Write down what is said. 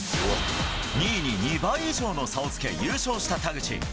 ２位に２倍以上の差をつけ、優勝した田口。